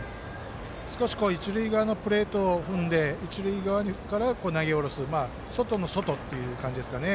少し、一塁側のプレートを踏んで一塁側から投げ下ろす外の外っていう感じですかね。